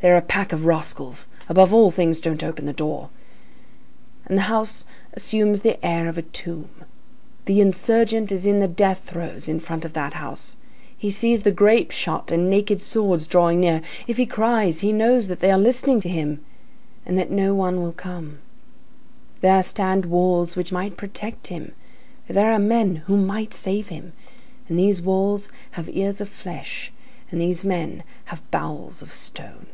They are a pack of rascals. Above all things, don't open the door."—And the house assumes the air of a tomb. The insurgent is in the death throes in front of that house; he sees the grape shot and naked swords drawing near; if he cries, he knows that they are listening to him, and that no one will come; there stand walls which might protect him, there are men who might save him; and these walls have ears of flesh, and these men have bowels of stone.